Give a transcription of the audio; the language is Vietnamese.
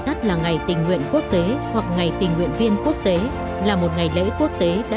tất cả các món ăn này sẽ có một lợi ích